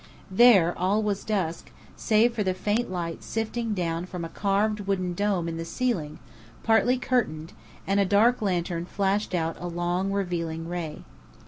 There, all was dusk, save for the faint light sifting down from a carved wooden dome in the ceiling, partly curtained; and a dark lantern flashed out a long revealing ray.